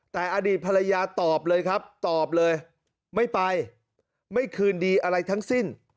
แต่อดีตภรรยาตอบเลยครับตอบเลยไม่ไปไม่คืนดีอะไรทั้งสิ้น